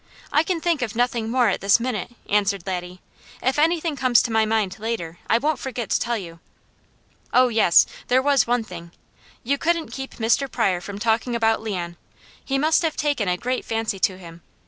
"I can think of nothing more at this minute," answered Laddie. "If anything comes to my mind later, I won't forget to tell you. Oh yes, there was one thing: You couldn't keep Mr. Pryor from talking about Leon. He must have taken a great fancy to him.